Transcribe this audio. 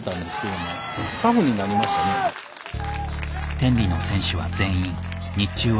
天理の選手は全員日中は仕事。